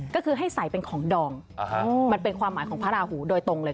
ก็คือให้ใส่เป็นของดองมันเป็นความหมายของพระราหูโดยตรงเลย